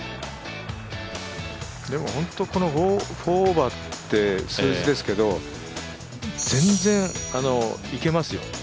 でも本当この４オーバーって数字ですけど全然、いけますよ。